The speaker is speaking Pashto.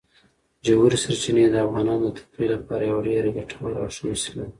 ژورې سرچینې د افغانانو د تفریح لپاره یوه ډېره ګټوره او ښه وسیله ده.